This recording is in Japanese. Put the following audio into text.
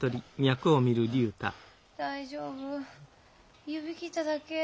大丈夫指切っただけ。